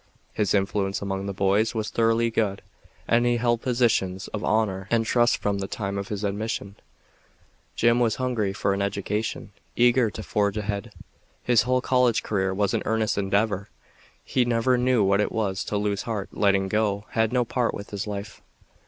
His influence among the boys was thoroughly good, and he held positions of honor and trust from the time of his admission." Jim was hungry for an education eager to forge ahead. His whole college career was an earnest endeavor. He never knew what it was to lose heart. "Letting go" had no part in his life.